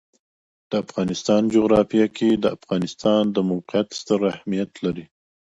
د افغانستان جغرافیه کې د افغانستان د موقعیت ستر اهمیت لري.